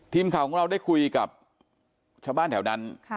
ทีมข่าวของเราได้คุยกับชาวบ้านแถวนั้น